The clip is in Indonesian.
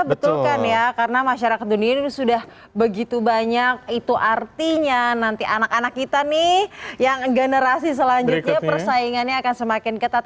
betul kan ya karena masyarakat dunia ini sudah begitu banyak itu artinya nanti anak anak kita nih yang generasi selanjutnya persaingannya akan semakin ketat